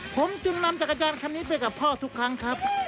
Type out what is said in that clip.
ผมจึงนำจักรยานคันนี้ไปกับพ่อทุกครั้งครับ